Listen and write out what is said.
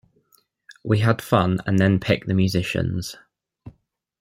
We had fun and then picked the musicians.